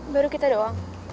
baru kita doang